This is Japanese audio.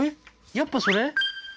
やっぱそれ？